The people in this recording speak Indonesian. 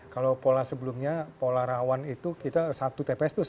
kalau pola sebelumnya pola rawan itu kita satu tps itu